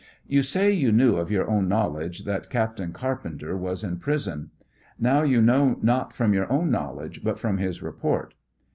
You say you knew, of your own knowledge, that Captain Carpenter was in prison ; now you know not from your own knowledge, but from his report.